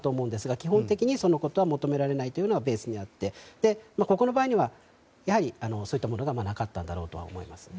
基本的にそのことは求められないというのがベースにあってここの場合にはそういったものがなかったんだろうと思います。